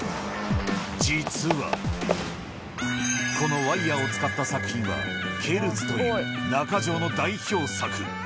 実は、このワイヤーを使った作品は、ケルズといい、中城の代表作。